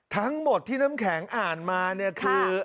ทั้งหมดที่น้ำแข็งอ่านมาเนี่ยคือ